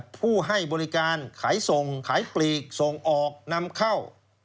ผู้ให้บริการขายส่งขายปลีกส่งออกนำเข้า